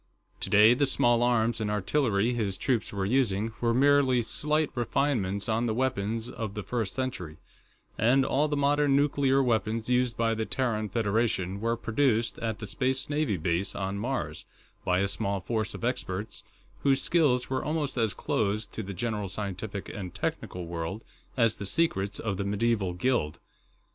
Today, the small arms and artillery his troops were using were merely slight refinements on the weapons of the First Century, and all the modern nuclear weapons used by the Terran Federation were produced at the Space Navy base on Mars, by a small force of experts whose skills were almost as closed to the general scientific and technical world as the secrets of a medieval guild.